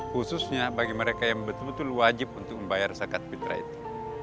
khususnya bagi mereka yang betul betul wajib untuk membayar zakat fitrah itu